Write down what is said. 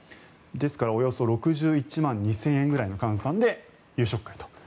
ですからおよそ６１万２０００円ぐらいの換算で夕食会と。